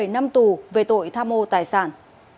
một mươi bảy năm tù về tội tham mô tài sản